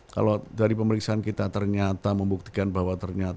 kalau dari pemeriksaan kita ternyata membuktikan bahwa ternyata